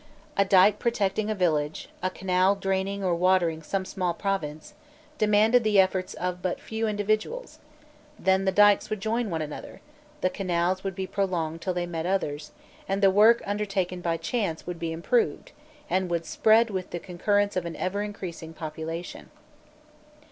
A dyke protecting a village, a canal draining or watering some small province, demanded the efforts of but few individuals; then the dykes would join one another, the canals would be prolonged till they met others, and the work undertaken by chance would be improved, and would spread with the concurrence of an ever increasing population.